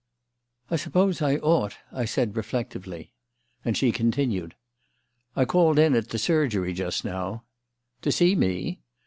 "I suppose I ought," I said reflectively. And she continued: "I called in at the surgery just now." "To see me?"